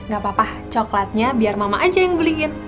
gapapa coklatnya biar mama aja yang beliin